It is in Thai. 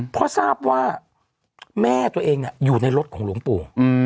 เพราะทราบว่าแม่ตัวเองอยู่ในรถของหลวงปู่